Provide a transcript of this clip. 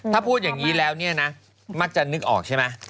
ถ้าพูดอย่างนี้เพราะว่าจะนึกออกใช่ไหม